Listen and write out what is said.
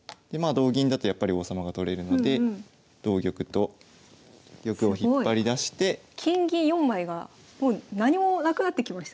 同銀だとやっぱり王様が取れるので同玉と玉を引っ張り出して金銀４枚がもう何もなくなってきましたね。